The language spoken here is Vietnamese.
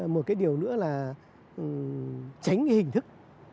một điều nữa là tránh hình thức